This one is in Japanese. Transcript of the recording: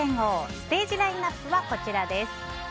ステージラインアップはこちらです。